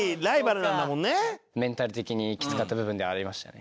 メンタル的にきつかった部分ではありましたね。